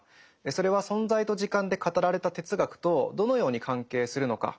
それは「存在と時間」で語られた哲学とどのように関係するのか。